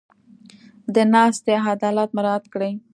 د ناستې عدالت مراعت کړي.